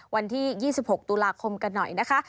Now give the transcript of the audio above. วันที่๒๖ตุลาคมกันหน่อยนะคะ